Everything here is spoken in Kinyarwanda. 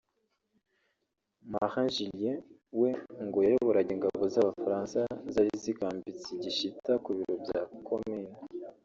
Marin Gillier we ngo yayoboraga ingabo z’Abafaransa zari zikambitse i Gishyita ku biro bya komini